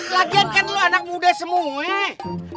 lagian kan lo anak muda semua